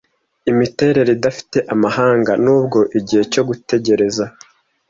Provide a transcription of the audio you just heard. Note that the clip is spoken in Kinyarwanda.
Imiterere idafite amahanga; nubwo igihe cyo gutegereza